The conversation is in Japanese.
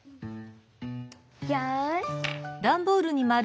よし。